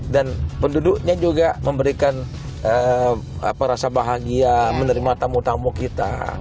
penduduknya juga memberikan rasa bahagia menerima tamu tamu kita